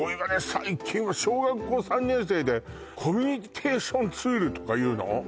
最近は小学校３年生でコミュニケーションツールとか言うの？